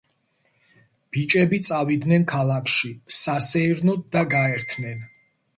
ბიჭები წავიდნენ ქალაქში, სასეირნოდ და გაერთნენ.